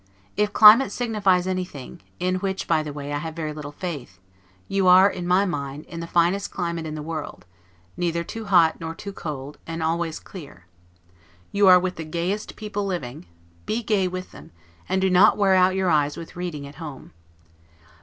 If climate signifies anything (in which, by the way, I have very little faith), you are, in my mind, in the finest climate in the world; neither too hot nor too cold, and always clear; you are with the gayest people living; be gay with them, and do not wear out your eyes with reading at home.